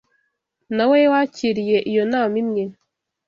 na We wakiriye iyo nama imwe